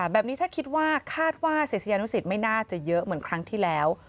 แบบนี้ถ้าคิดว่าคาดว่าศิษยานุสิตไม่น่าจะเยอะเหมือนครั้งที่แล้ว